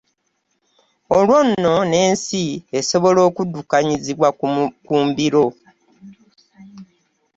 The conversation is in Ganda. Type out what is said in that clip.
Olwo nno n’ensi esobola okuddukanyizibwa ku mbiro.